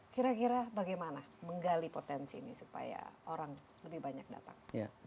kira kira bagaimana menggali potensi ini supaya orang lebih banyak datang